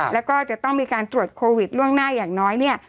แล้วก็จะต้องมีการตรวจโควิดล่วงหน้าอย่างน้อยเนี่ย